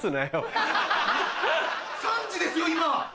３時ですよ今。